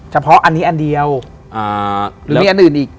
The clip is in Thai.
เฉพาะอันนี้อันเดียวหรือมีอันอื่นอีก